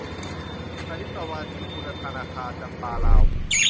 อริตวรรธน์ ครุฑานาคา - จำปาลาว